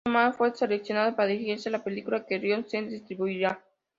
Scott Mann fue seleccionado para dirigir la película, que Lionsgate distribuiría.